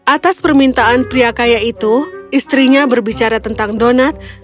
atas permintaan pria kaya itu istrinya berbicara tentang donat